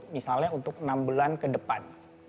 misalnya untuk enam bulan ke depan